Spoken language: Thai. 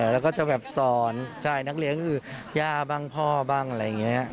แล้วก็จะแบบสอนใช่นักเลี้ยงคือย่าบ้างพ่อบ้างอะไรอย่างนี้